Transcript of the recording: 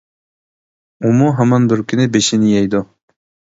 -ئۇمۇ ھامان بىر كۈنى بېشىنى يەيدۇ!